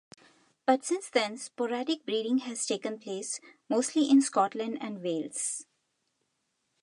But since then sporadic breeding has taken place, mostly in Scotland and Wales.